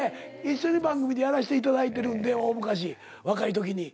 一緒に番組でやらしていただいてるんで大昔若い時に。